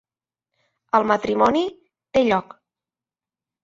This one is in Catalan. El matrimoni té lloc.